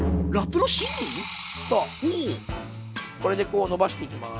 これでこうのばしていきます。